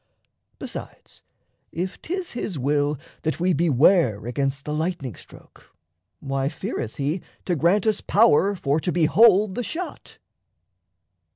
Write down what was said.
Besides, if 'tis his will that we beware Against the lightning stroke, why feareth he To grant us power for to behold the shot?